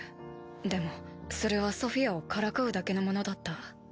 でもそれはソフィアをからかうだけのものだった。